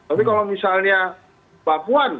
tapi kalau misalnya papuan